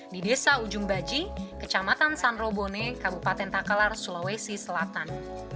di desa ujung baji kecamatan sandrobone kabupaten takalar sulawesi selatan